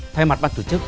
thay mặt bản tổ chức